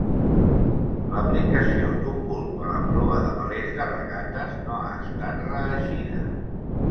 L'aplicació d'un bulb a la proa de velers de regates no ha estat reeixida.